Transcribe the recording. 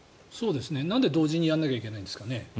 なんで同時にやらなきゃいけないんですかね。